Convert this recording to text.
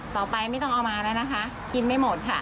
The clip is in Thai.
ไม่ต้องเอามาแล้วนะคะกินไม่หมดค่ะ